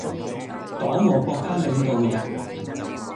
黨和國家領導人